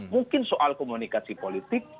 mungkin soal komunikasi politik